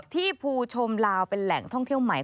ภูชมลาวเป็นแหล่งท่องเที่ยวใหม่